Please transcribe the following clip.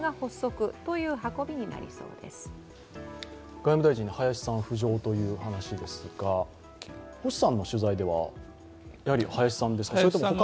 外務大臣に林さん浮上という話ですが、星さんの取材では林さんですか、それとも他の。